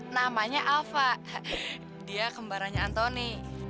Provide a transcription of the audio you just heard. namanya alva dia kembarannya antoni